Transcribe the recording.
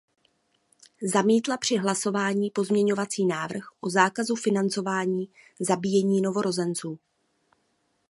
Zamítla při hlasování pozměňovací návrh o zákazu financování zabíjení novorozenců.